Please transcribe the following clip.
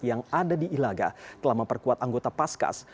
yang ada di ilaga telah memperkuat anggota paskas